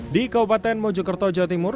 di kabupaten mojokerto jawa timur